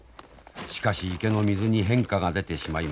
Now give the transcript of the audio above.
しかし池の水に変化が出てしまいました。